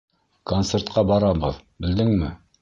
Концертҡа барабыҙ, белдеңме?